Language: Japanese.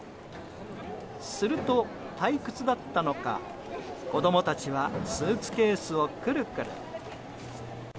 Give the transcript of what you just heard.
すると、退屈だったのか子供たちはスーツケースをくるくる。